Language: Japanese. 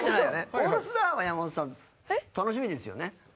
オールスターは山本さん楽しみですよね？